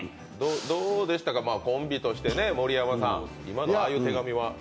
どうでしたか、コンビとして盛山さん、ああいう手紙は？